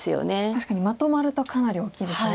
確かにまとまるとかなり大きいですね。